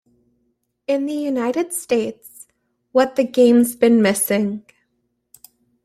In the United States, What the Game's Been Missing!